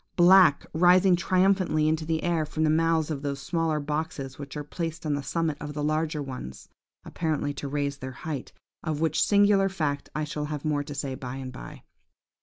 Black rising triumphantly into the air from the mouths of those smaller boxes, which are placed on the summit of the larger ones, apparently to raise their height–of which singular fact I shall have more to say by and by.